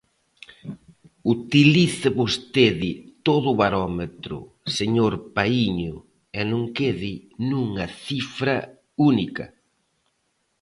Utilice vostede todo o barómetro, señor Paíño, e non quede nunha cifra única.